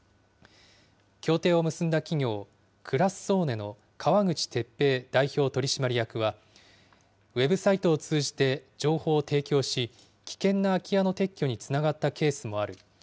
協定を結んだ企業、クラッソーネの川口哲平代表取締役は、ウェブサイトを通じて情報を提供し、危険な空き家の撤去につながったケースもある。